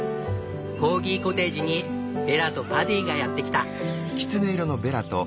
コーギコテージにベラとパディがやってきた。